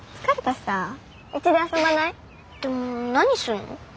でも何するの？